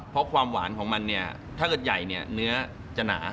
เพราะความหวานของมันถ้าเกิดใหญ่เนื้อจะหนา